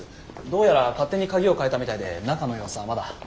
どうやら勝手に鍵を替えたみたいで中の様子はまだ。